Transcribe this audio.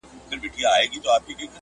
اغېز واخيست ډېر قوي و.